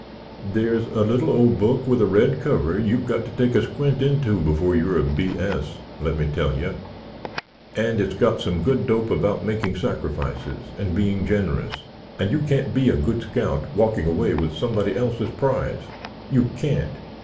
"There's a little old book with a red cover you've got to take a squint into before you're a B. S., let me tell you. And it's got some good dope about making sacrifices and being generous and you can't be a good scout walking away with somebody else's prize—you can't!